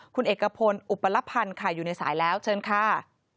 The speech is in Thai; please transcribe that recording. คุณเอกพลอุปลพันธ์ค่ะอยู่ในสายแล้วเชิญค่ะ